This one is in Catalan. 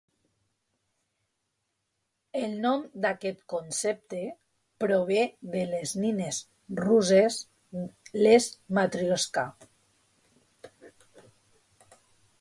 El nom d'aquest concepte prové de les nines russes, les Matrioshka.